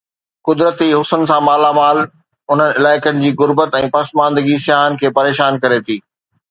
قدرتي حسن سان مالا مال انهن علائقن جي غربت ۽ پسماندگي سياحن کي پريشان ڪري ٿي.